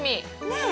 ねえ！